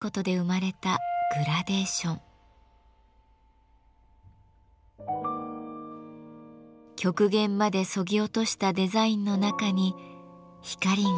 極限までそぎ落としたデザインの中に光が表情を宿します。